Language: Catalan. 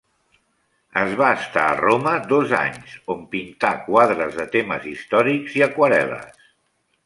Es va estar a Roma dos anys, on pintà quadres de temes històrics i aquarel·les.